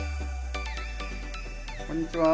・こんにちは。